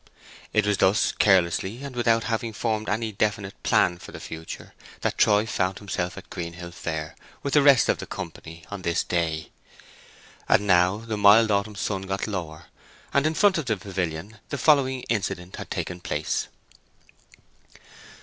It was thus carelessly, and without having formed any definite plan for the future, that Troy found himself at Greenhill Fair with the rest of the company on this day. And now the mild autumn sun got lower, and in front of the pavilion the following incident had taken place.